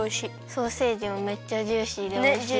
ソーセージもめっちゃジューシーでおいしい。